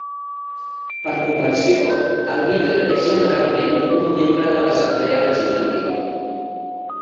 Per convenció, el líder és generalment un membre de l'Assemblea Legislativa.